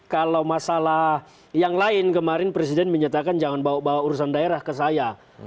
kalau masalah yang lain kemarin presiden menyatakan jangan bawa bawa urusan daerah ke saya